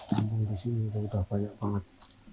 tampung di sini sudah banyak banget